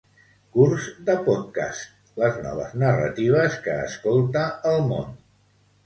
Curs de pòdcast, les noves narratives que escolta el món